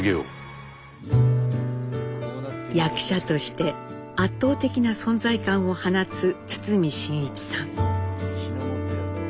役者として圧倒的な存在感を放つ堤真一さん。